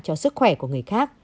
cho sức khỏe của người khác